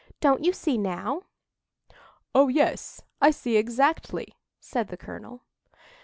Don't you see now?" "Oh yes, I see exactly," said the colonel.